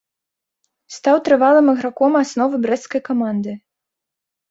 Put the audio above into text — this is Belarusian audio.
Стаў трывалым іграком асновы брэсцкай каманды.